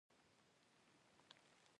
پنېر د ایټالیا پیزا ته خوند ورکوي.